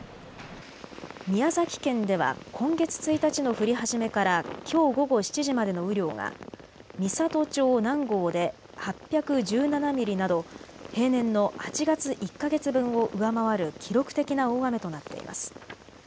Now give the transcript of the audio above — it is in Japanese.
宮崎県では今月１日の降り始めからきょう午後７時までの雨量が美郷町南郷で８１７ミリなど平年の８月１か月分を上回る記録的な大雨となっています。